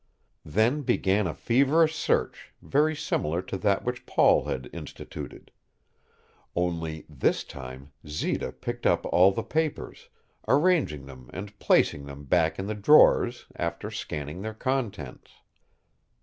Then began a feverish search very similar to that which Paul had instituted. Only, this time Zita picked up all the papers, arranging them and placing them back in the drawers, after scanning their contents.